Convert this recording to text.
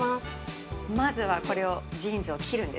まずはこれをジーンズを切るんですね。